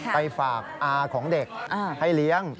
ไปฝากอาของเด็กให้เลี้ยง